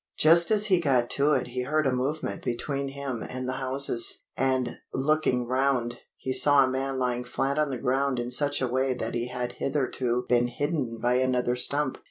Just as he got to it he heard a movement between him and the houses, and, looking round, he saw a man lying flat on the ground in such a way that he had hitherto been hidden by another stump.